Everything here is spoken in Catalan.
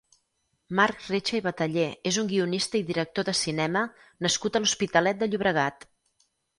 Marc Recha i Batallé és un guionista i director de cinema nascut a l'Hospitalet de Llobregat.